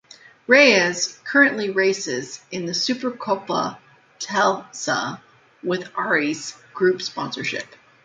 Reyes currently races in the Super Copa Telcel with Arris Group sponsorship.